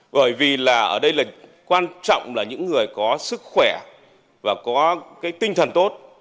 bởi vì là ở đây là quan trọng là những người có sức khỏe và có cái tinh thần tốt